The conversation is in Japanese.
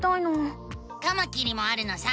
カマキリもあるのさ！